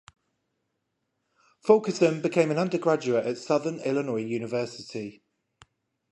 Fulkerson became an undergraduate at Southern Illinois University.